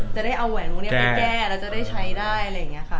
จะได้เอาแหวนตรงนี้ไปแก้แล้วจะได้ใช้ได้อะไรอย่างนี้ค่ะ